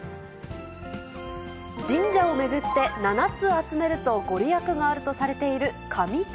神社を巡って、７つ集めると御利益があるとされている神玉。